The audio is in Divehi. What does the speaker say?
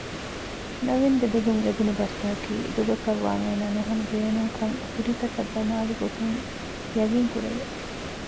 ނަޥީންގެ ދުލުން އެބުނިބަސްތަކަކީ ދޮގަކަށްވާން އޭނާ ނުހަނު ބޭނުންކަން ފިލިތަކަށް ދަމާލިގޮތުން ޔަގީންކުރެވެ